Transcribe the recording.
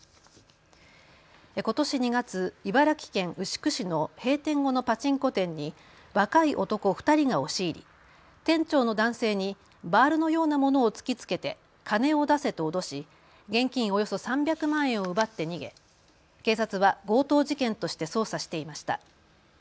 ことし２月、茨城県牛久市の閉店後のパチンコ店に若い男２人が押し入り店長の男性にバールのようなものを突きつけて金を出せと脅し現金およそ３００万円を奪って逃げ警察は強盗事件として捜査していました。